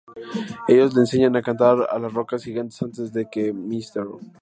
Ellos le enseñan a cantar a las rocas gigantes antes de que Mr.